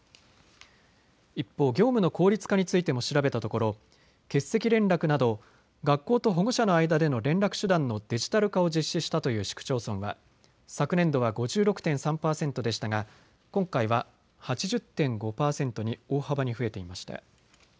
一方、業務の効率化についても調べたところ欠席連絡など学校と保護者の間での連絡手段のデジタル化を実施したという市区町村は昨年度は５６．３％でしたが今回は８０．５％に大幅に増えていました。